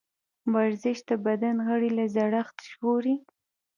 ورزش د بدن غړي له زړښت ژغوري.